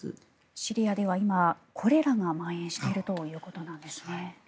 シリアでは今コレラがまん延しているということなんですね。